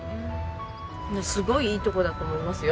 すごいいい所だと思いますよ。